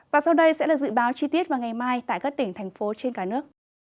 và sau đây sẽ là dự báo chi tiết vào ngày mai tại các tỉnh thành phố trên cả nước